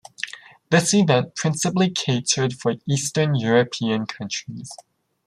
This event principally catered for Eastern European countries.